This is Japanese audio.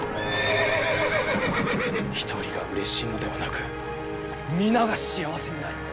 一人がうれしいのではなく皆が幸せになる。